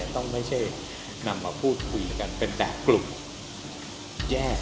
ต้องไม่ใช่นำมาพูดคุยกันเป็นแบบกลุ่มแยก